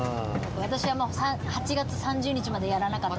私はもう８月３０日までやらなかったタイプ。